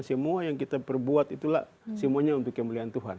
semua yang kita perbuat itulah semuanya untuk kemuliaan tuhan